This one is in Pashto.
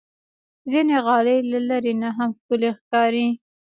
ځینې غالۍ له لرې نه هم ښکلي ښکاري.